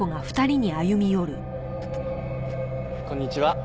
こんにちは。